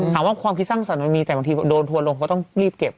ความคิดสร้างสรรคมันมีแต่บางทีโดนทัวร์ลงเขาต้องรีบเก็บ